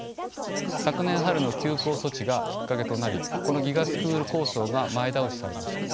昨年春の休校措置がきっかけとなりこのＧＩＧＡスクール構想が前倒しされました。